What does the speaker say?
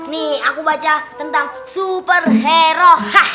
nih aku baca tentang super hero